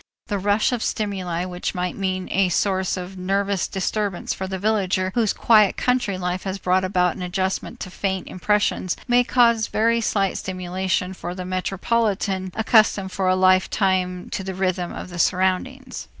The rush of stimuli which might mean a source of nervous disturbance for the villager whose quiet country life has brought about an adjustment to faint impressions may cause very slight stimulation for the metropolitan accustomed for a lifetime to the rhythm of the surroundings.